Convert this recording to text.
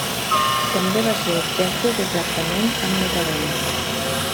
També va ser objecte de tractament amb metadona.